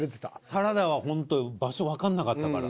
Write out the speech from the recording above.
サラダはほんと場所わかんなかったから。